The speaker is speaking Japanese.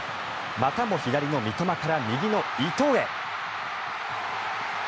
またも左の三苫から右の伊東へ。